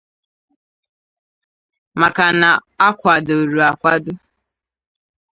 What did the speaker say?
maka na ọ kwadoro akwado.